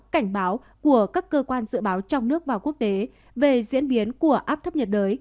cảnh báo của các cơ quan dự báo trong nước và quốc tế về diễn biến của áp thấp nhiệt đới